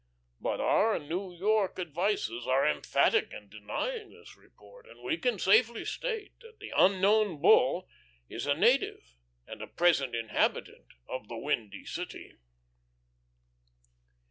But our New York advices are emphatic in denying this report, and we can safely state that the Unknown Bull is a native, and a present inhabitant of the Windy City."